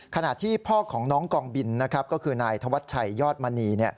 ขณะที่พ่อของน้องกองบินก็คือนายธวัชชัยยอดมณี